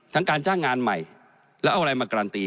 การจ้างงานใหม่แล้วเอาอะไรมาการันตี